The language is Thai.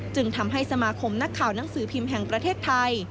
จึงทำให้สมาคมนักข่าวหนังสือพิมพ์แห่งประเทศไทย